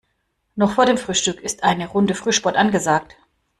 Noch vor dem Frühstück ist eine Runde Frühsport angesagt.